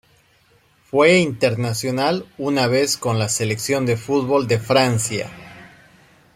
Fue internacional una vez con la selección de fútbol de Francia.